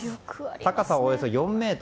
高さ何とおよそ４ｍ。